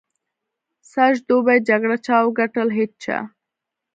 سږ دوبي جګړه چا وګټل؟ هېچا.